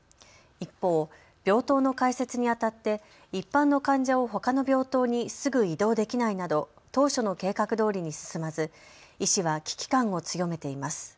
一方、病棟の開設にあたって一般の患者をほかの病棟にすぐ移動できないなど当初の計画どおりに進まず医師は危機感を強めています。